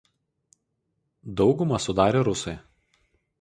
Daugumą sudarė rusai.